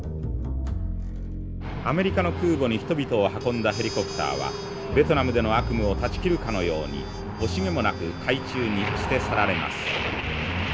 「アメリカの空母に人々を運んだヘリコプターはベトナムでの悪夢を断ち切るかのように惜しげもなく海中に捨て去られます」。